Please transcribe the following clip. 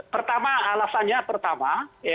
pertama alasannya pertama